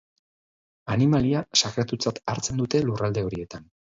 Animalia sakratutzat hartzen dute lurralde horietan.